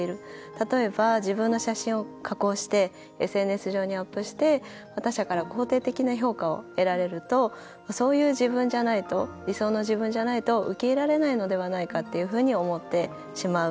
例えば、自分の写真を加工してＳＮＳ上にアップして、他者から肯定的な評価を得られるとそういう自分じゃないと理想の自分じゃないと受け入れられないのではないかっていうふうに思ってしまう。